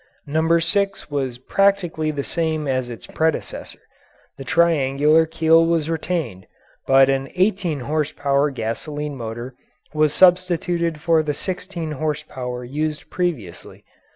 No. 6 was practically the same as its predecessor the triangular keel was retained, but an eighteen horse power gasoline motor was substituted for the sixteen horse power used previously.